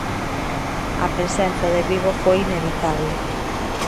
A presenza de Vigo foi inevitable.